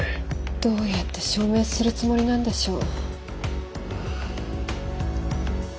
どうやって証明するつもりなんでしょう。